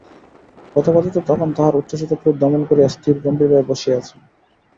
প্রতাপাদিত্য তখন তাঁহার উচ্ছ্বসিত ক্রোধ দমন করিয়া স্থির গম্ভীরভাবে বসিয়া আছেন।